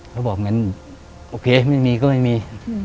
เขาบอกงั้นโอเคไม่มีก็ไม่มี